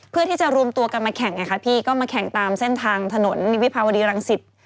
เพื่อที่จะรวมตัวกันมาแข่งไงคะพี่ก็มาแข่งตามเส้นทางถนนวิภาวดีรังสิต